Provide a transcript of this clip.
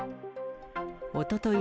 おととい